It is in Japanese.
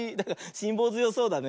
しんぼうづよそうだね。